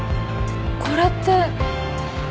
これって。